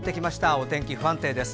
お天気、不安定です。